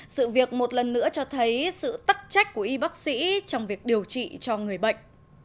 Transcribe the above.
sự việc một lần nữa cho thấy sự tắc trách của y bác sĩ trong việc điều trị cho người bệnh